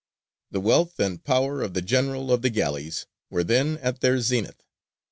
The wealth and power of the General of the Galleys were then at their zenith.